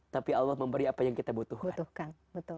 tapi allah memberi apa yang kita butuhkan